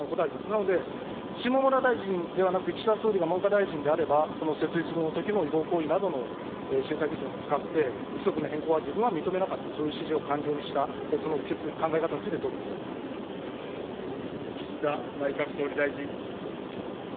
なので、下村大臣ではなくて岸田総理大臣が文科大臣であれば、この設立後のときの違法行為などの審査基準を使って規則の変更は自分は認めなかった、そういう指示を官僚にした、その決意、考え岸田内閣総理大臣。